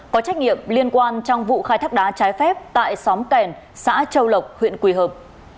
có trách nhiệm liên quan trong vụ khai thác đá trái phép tại xóm kèn xã châu lộc huyện quỳ hợp